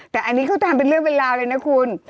แต่อันนี้เขาทำเป็นเรื่องเป็นราวเลยนะคุณ